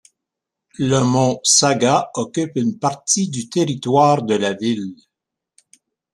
Le Mont Saga occupe une partie du territoire de la ville.